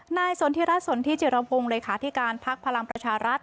นายสนธิรัตน์สนธิจิรัมพงษ์เลยค้าที่การภักดิ์พลังประชารัฐ